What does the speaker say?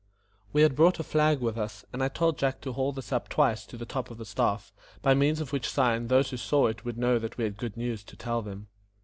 We had brought a flag with us, and I told Jack to haul this up twice to the top of the staff, by means of which sign those who saw it would know that we had good news to tell them.